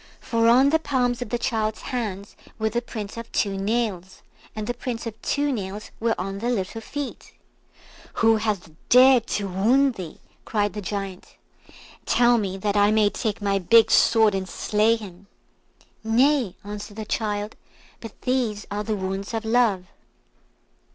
For on the palms of the child's hands were the prints of two nails, and the prints of two nails were on the little feet. "Who hath dared to wound thee?" cried the Giant; "tell me, that I may take my big sword and slay him." "Nay!" answered the child; "but these are the wounds of Love."